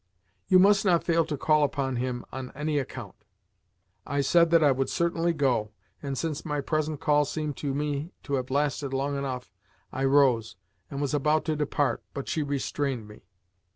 You must not fail to call upon him on any account." I said that I would certainly go, and since my present call seemed to me to have lasted long enough, I rose, and was about to depart, but she restrained me.